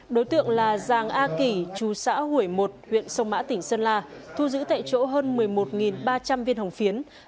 đối tượng là giàng a kỷ chú xã hủy một huyện sông mã tỉnh sơn la thu giữ tại chỗ hơn một mươi một ba trăm linh viên hồng phiến